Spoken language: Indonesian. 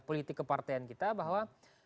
politik kepartean kita bahwa